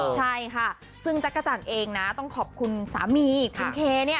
ใช่ค่ะซึ่งจักรจันทร์เองนะต้องขอบคุณสามีคุณเคเนี่ย